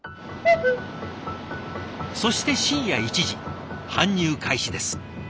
そして深夜１時搬入開始です。